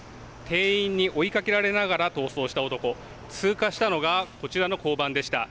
店員に追いかけられながら逃走した男、通過したのがこちらの交番でした。